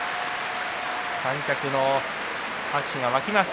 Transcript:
観客の拍手が沸きます。